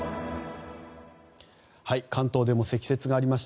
関東でも積雪がありました。